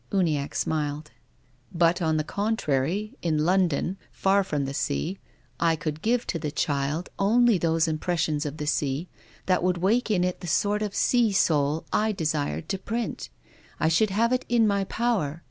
Uniacke smiled. " But on the contrary, in London, far from the sea, I could give to the child only those impres sions of the sea that would wake in it the sort of sea soul I desired to print. I should have it in my power.